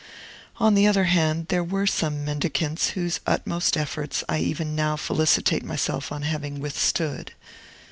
On the other hand, there were some mendicants whose utmost efforts I even now felicitate myself on having withstood.